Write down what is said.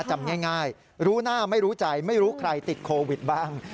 จำง่ายรู้หน้าไม่รู้ใจไม่รู้ใครติดโควิดบ้าง